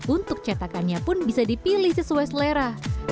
untuk cetakannya pun bisa dipilih sesuai selera